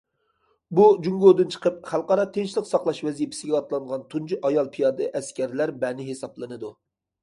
بۇ جۇڭگودىن چىقىپ خەلقئارا تىنچلىق ساقلاش ۋەزىپىسىگە ئاتلانغان تۇنجى ئايال پىيادە ئەسكەرلەر بەنى ھېسابلىنىدۇ.